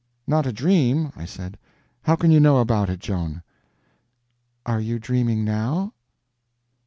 "Not a dream?" I said, "how can you know about it, Joan?" "Are you dreaming now?"